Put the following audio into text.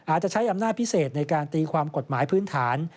อาจจะใช้อำนาจพิเศษในการตีความกฎหมายพื้นฐาน